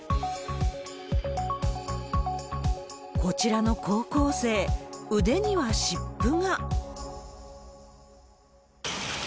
こちらの高校生、腕には湿布が。